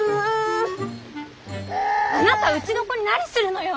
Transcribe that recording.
あなたうちの子に何するのよ！